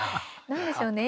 何でしょうね